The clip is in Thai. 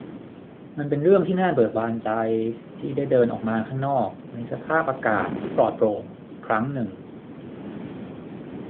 มันเป็นเรื่องที่น่าเบิกบานใจที่ได้เดินออกมาข้างนอกในสภาพอากาศที่ปลอดโปร่งอีกครั้งหนึ่ง